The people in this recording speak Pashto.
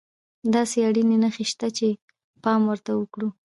داسې اړينې نښې شته چې پام ورته وکړو.